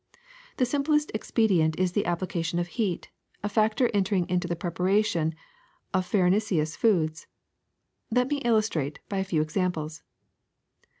The simplest ex pedient is the application of heat, a factor entering into the preparation of farinaceous foods. Let me illustrate by a few examples.